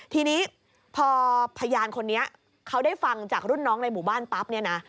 ทีนี้พอพยานคนนี้เขาได้ฟังจากรุ่นน้องในหมู่บ้านปั๊บเนี่ยนะ